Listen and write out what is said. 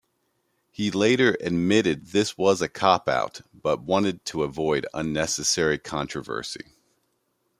He later admitted this was a "cop out" but wanted to avoid unnecessary controversy.